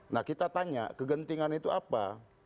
nah kita tanya kegentingan itu apa